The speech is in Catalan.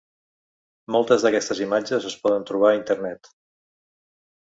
Moltes d’aquestes imatges es poden trobar a internet.